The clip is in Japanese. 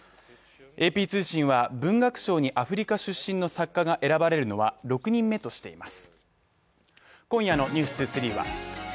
ＡＰ通信は文学賞にアフリカ出身の作家が選ばれるのは６人目としています。